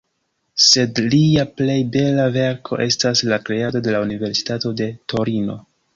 Sed lia plej bela verko estas la kreado de la universitato de Torino.